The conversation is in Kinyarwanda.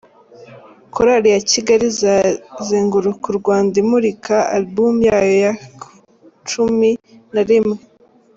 Korali ya Kigali izazenguruka u Rwanda imurika album yayo ya cumin na rimwe